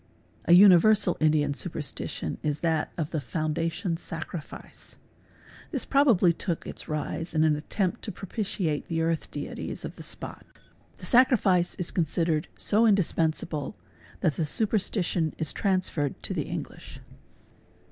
. A universal Indian superstition is that of the " foundation sacrifice ";| this probably took its rise in an attempt to propitiate the " earth deities " of the spot. The sacrifice is considered so indispensible that the su perstition is transferred to the English.